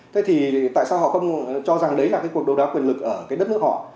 thế thì tại sao họ không cho rằng đấy là cuộc đấu đáo quyền lực ở đất nước họ